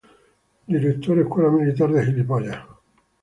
Director Escuela Militar de Cadetes.